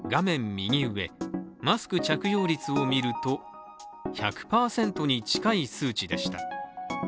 右上、マスク着用率を見ると１００％に近い数値でした。